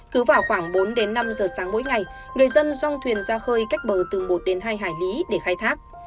cứ vào khoảng bốn năm giờ sáng mỗi ngày người dân dòng thuyền ra khơi cách bờ từ một hai hải lý để khai thác